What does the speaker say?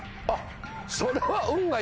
それは。